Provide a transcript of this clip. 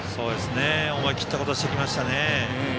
思い切ったことしてきましたね。